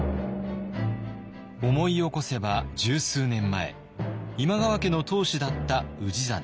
思い起こせば十数年前今川家の当主だった氏真。